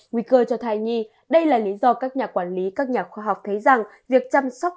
nguy cơ cho thai nhi đây là lý do các nhà quản lý các nhà khoa học thấy rằng việc chăm sóc